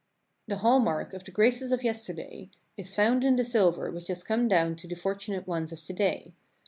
The "hall mark" of the graces of yesterday is found in the silver which has come down to the fortunate ones of to day.